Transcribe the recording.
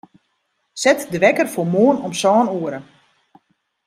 Set de wekker foar moarn om sân oere.